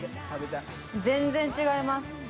全然違います。